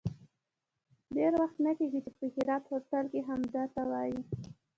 ډېر وخت نه کېږي چې په هرات هوټل کې همدا ته وې.